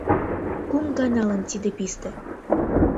Кум ганалан тиде писте